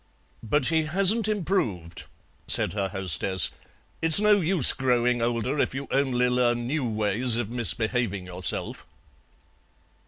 "But he hasn't improved," said her hostess; "it's no use growing older if you only learn new ways of misbehaving yourself."